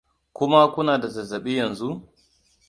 kuma kuna da zazzabi yanzu